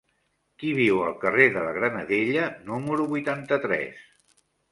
Qui viu al carrer de la Granadella número vuitanta-tres?